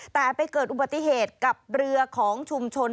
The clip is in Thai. แต่ไปเกิดอุบัติเหตุกับเรือของชุมชน